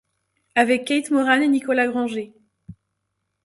Avec Kate Moran et Nicolas Granger.